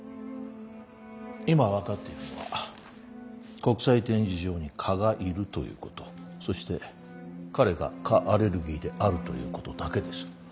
今分かっているのは国際展示場に蚊がいるということそして彼が蚊アレルギーであるということだけです。